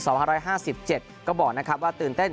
สมุทรสอนยังแข็งแรง